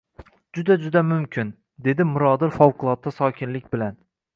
Juda-juda mumkin, dedi Mirodil favqulodda sokinlik bilan